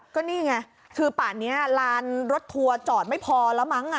ก็นี่ไงคือป่านนี้ลานรถทัวร์จอดไม่พอแล้วมั้ง